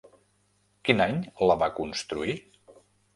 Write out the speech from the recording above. Quin any la va construir?